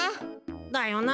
だよな。